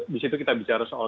di situ kita bicara soal